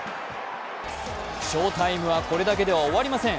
翔タイムはこれだけでは終わりません。